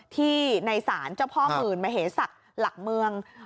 ที่ในศาลเจ้าพ่อหมื่นมเหศักดิ์หลักเมือง